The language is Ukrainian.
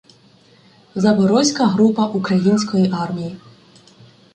— Запорозька група української армії.